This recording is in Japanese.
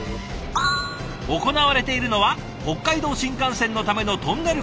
行われているのは北海道新幹線のためのトンネル工事。